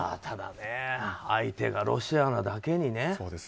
ただ、相手がロシアなだけにね。